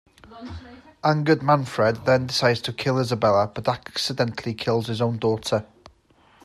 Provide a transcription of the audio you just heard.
Angered Manfred then decides to kill Isabella but accidentally kills his own daughter.